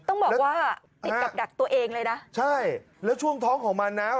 ต้องบอกว่าติดกับดักตัวเองเลยนะใช่แล้วช่วงท้องของมันนะ